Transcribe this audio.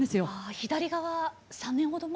左側３年ほど前。